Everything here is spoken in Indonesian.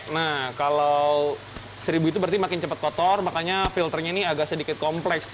nah kalau seribu itu berarti makin cepat kotor makanya filternya ini agak sedikit kompleks